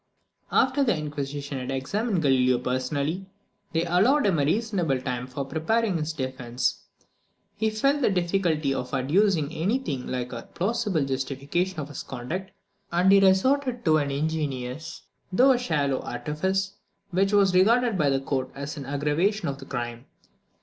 After the Inquisition had examined Galileo personally, they allowed him a reasonable time for preparing his defence. He felt the difficulty of adducing any thing like a plausible justification of his conduct; and he resorted to an ingenious, though a shallow artifice, which was regarded by the court as an aggravation of the crime.